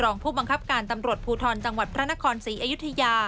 รองผู้บังคับการตำรวจภูทรจังหวัดพระนครศรีอยุธยา